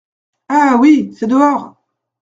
Ah ! oui !… c’est dehors !